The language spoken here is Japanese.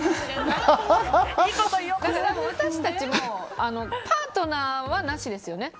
私たちもパートナーは、なしですよね。